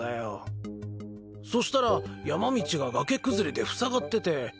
そしたら山道が崖崩れでふさがってて。